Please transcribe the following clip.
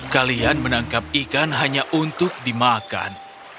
kalian menangkap ikan hanya untuk dimakan